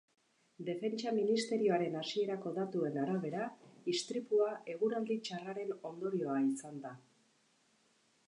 Defentsa ministerioaren hasierako datuen arabera, istripua eguraldi txarraren ondorioa izan da.